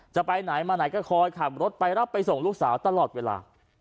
จะไปไหนมาไหนก็คอยขับรถไปรับไปส่งลูกสาวตลอดเวลา